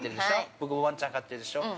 僕、わんちゃん飼ってるでしょう。